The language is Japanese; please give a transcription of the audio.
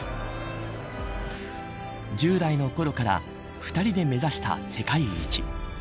１０代のころから２人で目指した世界一。